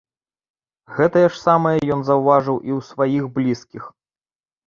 Гэтае ж самае ён заўважаў і ў сваіх блізкіх.